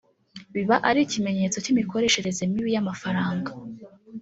biba ari ikimenyetso cy’imikoreshereze mibi y’amafaranga